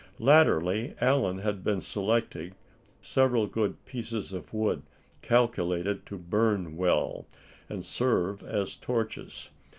Latterly Allan had been selecting several good pieces of wood calculated to burn well, and serve as torches.